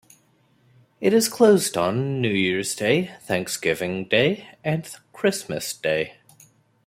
It is closed on:New Year's Day, Thanksgiving Day, and Christmas Day.